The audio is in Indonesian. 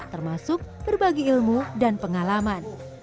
termasuk berbagi ilmu dan pengalaman